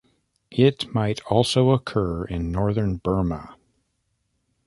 It might also occur in northern Burma.